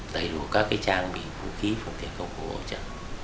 đầy đủ các trang bị vũ khí phòng thể công cụ bảo trợ